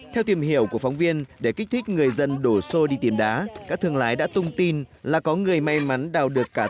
theo tìm hiểu của phóng viên để kích thích người dân đổ xô đi tìm đá